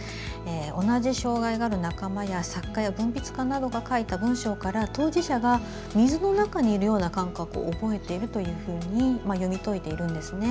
同じ障害がある仲間や作家や文筆家などが書いた文章から、当事者が水の中に居るような感覚を覚えているというふうに読み解いているんですね。